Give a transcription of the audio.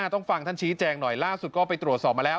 ต้องฟังท่านชี้แจงหน่อยล่าสุดก็ไปตรวจสอบมาแล้ว